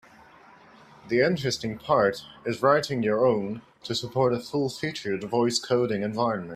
The interesting part is writing your own to support a full-featured voice coding environment.